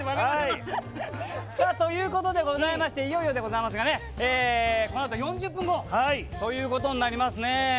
ということでございましていよいよでございますがこの後、４０分後ということになりますね。